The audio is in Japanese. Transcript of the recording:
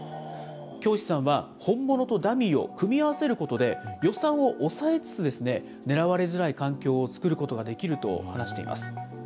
京師さんは本物とダミーを組み合わせることで、予算を抑えつつ、狙われづらい環境を作ることができると話しています。